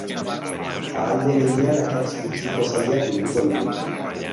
Ahal den heinean akats gutxiko esaldiak bilduko ditugu.